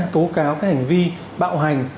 tố cáo cái hành vi bạo hành